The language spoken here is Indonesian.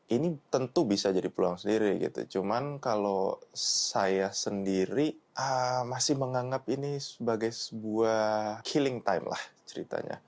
ini tentu bisa jadi peluang sendiri gitu cuman kalau saya sendiri masih menganggap ini sebagai sebuah healing time lah ceritanya